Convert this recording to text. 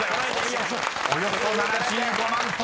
［およそ７５万ｔ。